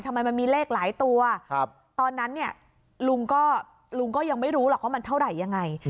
ทำไมมันมีเลขหลายตัวตอนนั้นเนี่ยลุงก็ยังไม่รู้หรอกว่ามันเท่าไหร่ยังไง